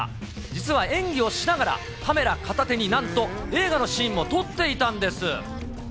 実は演技をしながら、カメラ片手になんと、映画のシーンも撮っていたんです。